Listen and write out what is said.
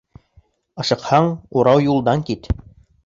Ашыҡһаң, урау юлдан кит.